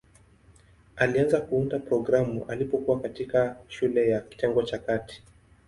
Alianza kuunda programu alipokuwa katikati shule ya kitengo cha kati.